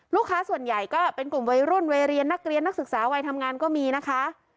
ลูกค้าส่วนใหญ่ก็เป็นกลุ่มวัยรุ่นวัยเรียนนักเรียนนักศึกษาวัยทำงานก็มีนะคะ